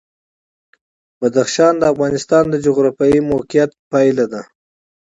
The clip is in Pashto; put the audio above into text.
بدخشان د افغانستان د جغرافیایي موقیعت پایله ده.